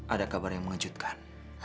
ada kabar yang mengejutkan